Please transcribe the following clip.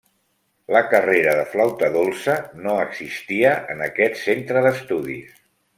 La carrera de flauta dolça no existia en aquest centre d'estudis.